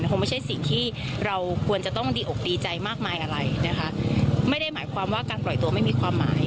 คงไม่ใช่สิ่งที่เราควรจะต้องดีอกดีใจมากมายอะไรนะคะไม่ได้หมายความว่าการปล่อยตัวไม่มีความหมาย